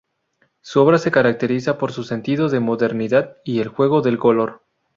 Su obra se caracteriza por su sentido de modernidad y el juego del color.